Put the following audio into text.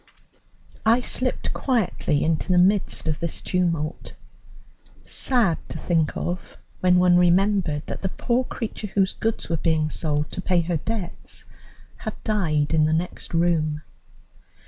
I slipped quietly into the midst of this tumult, sad to think of when one remembered that the poor creature whose goods were being sold to pay her debts had died in the next room.